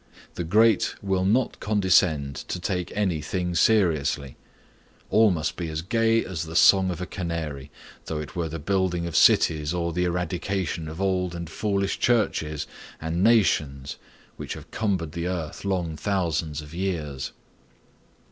The great will not condescend to take any thing seriously; all must be as gay as the song of a canary, though it were the building of cities or the eradication of old and foolish churches and nations which have cumbered the earth long thousands of years.